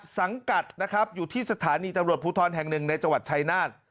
สังกัดนะครับอยู่ที่สถานีตำรวจภูทรแห่งหนึ่งในจังหวัดชายนาฏ